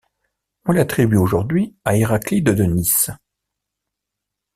On l'attribue aujourd'hui à Héraclide de Nysse.